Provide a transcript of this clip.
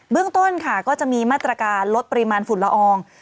เรื่องต้นค่ะก็จะมีมาตรการลดปริมาณฝุ่นละออง